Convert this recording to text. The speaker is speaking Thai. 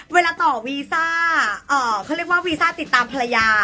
เวลาต่อวีซ่าเขาเรียกว่าวีซ่าติดตามภรรยา